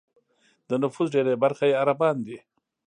د نفوس ډېری برخه یې عربان دي.